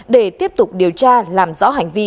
để tiếp tục điều tra làm rõ hành vi